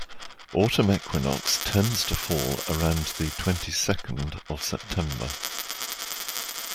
Autumn equinox tends to fall around the twenty-second of September.